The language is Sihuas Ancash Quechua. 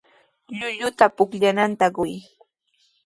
Llulluta pukllananta quy.